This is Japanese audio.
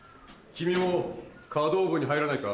君も華道部に入らないか？